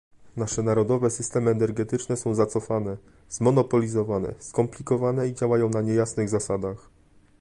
Nasze narodowe systemy energetyczne są zacofane, zmonopolizowane, skomplikowane i działają na niejasnych zasadach